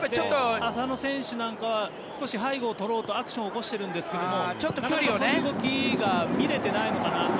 浅野選手なんかは背後をとろうとアクションを起こしていますが動きが見れてないのかなと。